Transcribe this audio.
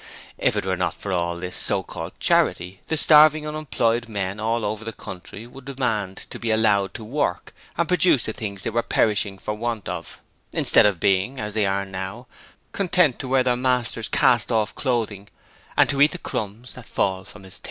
It if were not for all this so called charity the starving unemployed men all over the country would demand to be allowed to work and produce the things they are perishing for want of, instead of being as they are now content to wear their masters' cast off clothing and to eat the crumbs that fall from his table.